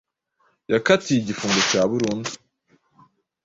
yakatiye igifungo cya burundu